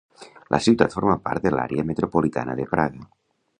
La ciutat forma part de l'àrea metropolitana de Praga.